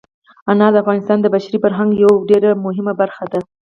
انار د افغانستان د بشري فرهنګ یوه ډېره مهمه برخه ده.